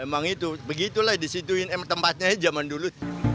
emang itu begitu lah disituin tempatnya zaman dulu